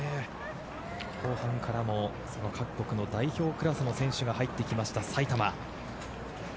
後半からも各国の代表クラスの選手が入ってきました、埼玉。